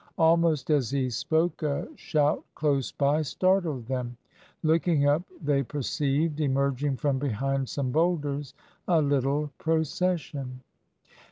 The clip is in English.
Almost as he spoke, a shout close by startled them. Looking up they perceived emerging from behind some boulders a little procession.